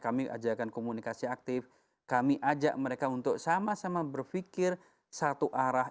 kami ajakkan komunikasi aktif kami ajak mereka untuk sama sama berpikir satu arah